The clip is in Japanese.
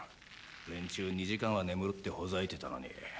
連中２時間は眠るってほざいてたのに。